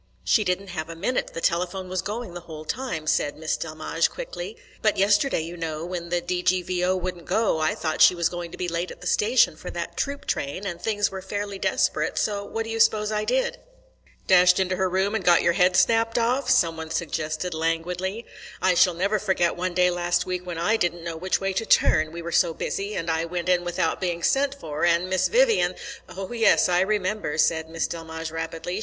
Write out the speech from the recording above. "She didn't have a minute; the telephone was going the whole time," said Miss Delmege quickly. "But yesterday, you know, when the D.G.V.O. wouldn't go, I thought she was going to be late at the station for that troop train, and things were fairly desperate, so what d'you suppose I did?" "Dashed into her room and got your head snapped off?" some one suggested languidly. "I shall never forget one day last week when I didn't know which way to turn, we were so busy, and I went in without being sent for, and Miss Vivian " "Oh yes, I remember," said Miss Delmege rapidly.